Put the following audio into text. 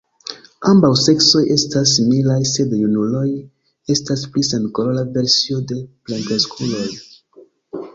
Ambaŭ seksoj estas similaj, sed junuloj estas pli senkolora versio de plenkreskuloj.